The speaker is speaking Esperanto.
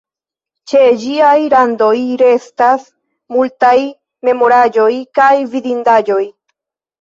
Ĉe ĝiaj randoj restas multaj memoraĵoj kaj vidindaĵoj.